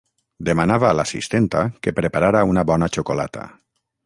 Demanava a l’assistenta que preparara una bona xocolata.